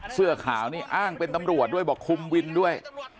เสื้อขาวนี่อ้างเป็นตำรวจด้วยบอกคุมวินด้วย